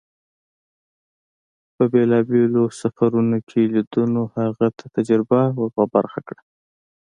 په بېلابېلو سفرون کې لیدنو هغه ته تجربه ور په برخه کړه.